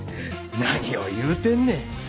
何を言うてんねん。